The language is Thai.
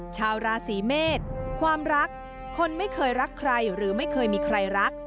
ชาวราศีเมษความรักคนไม่เคยรักใครหรือไม่เคยมีใครรัก